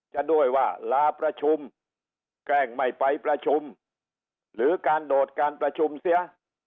จะด้วยว่าลาประชุมแกล้งไม่ไปประชุมหรือการโดดการประชุมเสีย